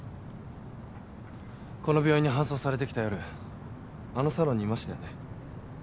この病院に搬送されてきた夜あのサロンにいましたよね。